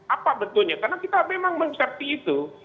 apa betulnya karena kita memang mencepti itu